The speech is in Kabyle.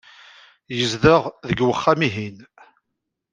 Yezdeɣ deg wexxam-ihin.